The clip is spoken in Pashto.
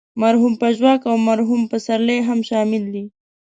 مرحوم پژواک او مرحوم پسرلی هم شامل دي.